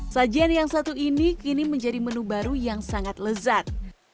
sajian yang satu ini kini menjadi menu baru yang sangat lezat